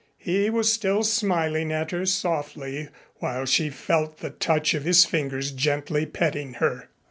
He was still smiling at her softly while she felt the touch of his fingers gently petting her.